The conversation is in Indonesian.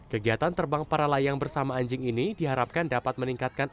kegiatan terbang para layang bersama anjing ini diharapkan dapat meningkatkan